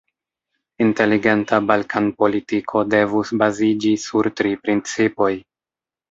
Inteligenta Balkan-politiko devus baziĝi sur tri principoj.